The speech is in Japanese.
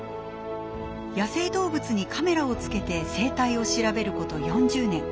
野生動物にカメラをつけて生態を調べること４０年。